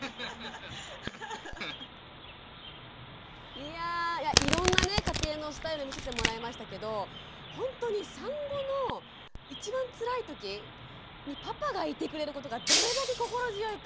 いやいろんなね家庭のスタイルを見せてもらいましたけどほんとに産後の一番つらい時にパパがいてくれることがどれだけ心強いか。